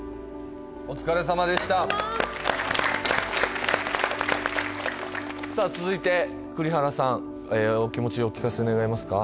お疲れさまでしたお疲れさまさあ続いてええお気持ちお聞かせ願えますか？